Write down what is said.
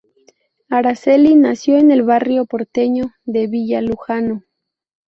Araceli nació en el barrio porteño de Villa Lugano.